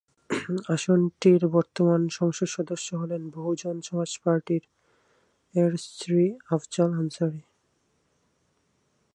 আসনটির বর্তমান সংসদ সদস্য হলেন বহুজন সমাজ পার্টি-এর শ্রী আফজাল আনসারী।